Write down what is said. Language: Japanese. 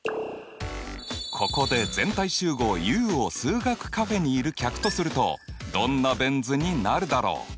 ここで全体集合Ｕを数学カフェにいる客とするとどんなベン図になるだろう？